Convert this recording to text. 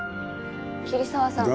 桐沢さん。